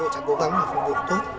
chúng tôi sẽ cố gắng phục vụ tốt